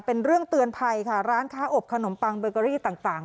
เป็นเรื่องเตือนภัยค่ะร้านค้าอบขนมปังเบอร์เกอรี่ต่างต่าง